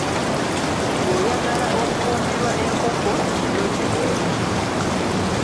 Ng'oyagala okuwoomerwa enkoko ginnoze omunnyo.